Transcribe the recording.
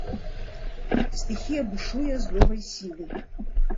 Стыхія бушуе з новай сілай.